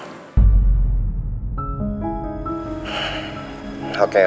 gimana dengan ucapan om kemarin